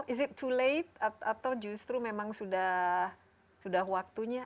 is it to late atau justru memang sudah waktunya